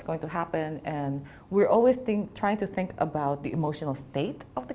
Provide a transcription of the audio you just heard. dan kita selalu mencoba untuk memikirkan keadaan emosional karakternya